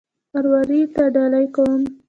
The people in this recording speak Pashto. ارواوو ته ډالۍ کوم.